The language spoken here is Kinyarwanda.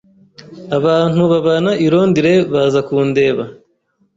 Abantu babana i Londres baza kundeba.